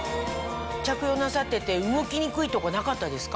着用なさってて動きにくいとかなかったですか？